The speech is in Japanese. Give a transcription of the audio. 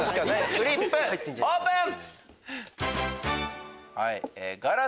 フリップオープン！